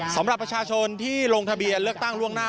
สำหรับประชาชนที่ลงทะเบียนเลือกตั้งล่วงหน้า